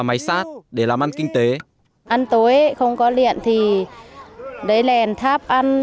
máy xát để làm ăn kinh tế ăn tối không có điện thì lấy lèn tháp ăn